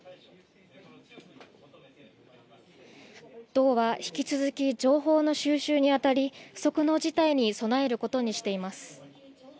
道は引き続き情報の収集に当たり不測の事態に備えることにしています。